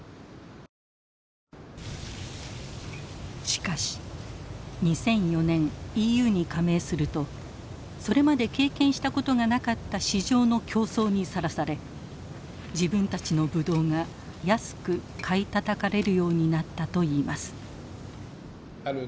しかし２００４年ＥＵに加盟するとそれまで経験したことがなかった市場の競争にさらされ自分たちのブドウが安く買いたたかれるようになったといいます。